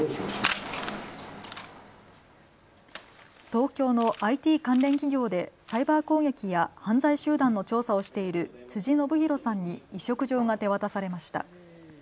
東京のＩＴ関連企業でサイバー攻撃や犯罪集団の調査をしている辻伸弘さんに委嘱状が手渡されました。